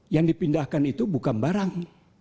yang dipindahkan itu bukan barang